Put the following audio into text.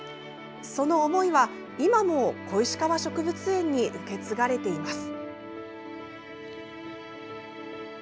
その思いは、今も小石川植物園に受け継がれています。